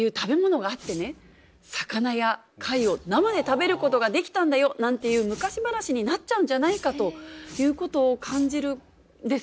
魚や貝を生で食べることができたんだよ」なんていう昔話になっちゃうんじゃないかということを感じるんですよね。